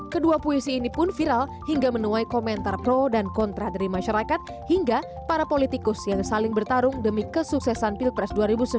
kedua puisi ini pun viral hingga menuai komentar pro dan kontra dari masyarakat hingga para politikus yang saling bertarung demi kesuksesan pilpres dua ribu sembilan belas